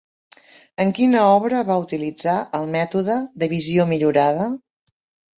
En quina obra va utilitzar el mètode de «visió millorada»?